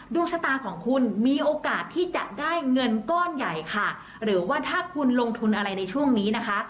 ดวงชะตาของคุณมีโอกาสที่จะได้เงินก้อนใหญ่ค่ะหรือว่าถ้าคุณลงทุนอะไรในช่วงนี้นะคะ